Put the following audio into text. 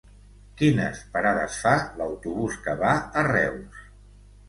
Quines parades fa l'autobús que va a Reus?